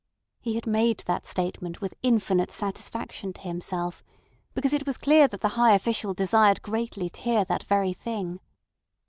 He had made that statement with infinite satisfaction to himself, because it was clear that the high official desired greatly to hear that very thing.